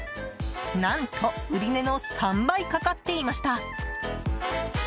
何と、売り値の３倍かかっていました。